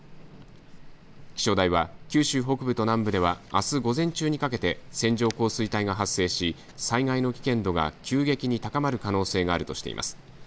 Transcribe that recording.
気象台は九州北部と南部ではあす午前中にかけて線状降水帯が発生し災害の危険度が急激に高まる可能性があるとしています。